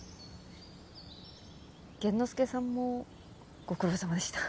玄之介さんもご苦労さまでした。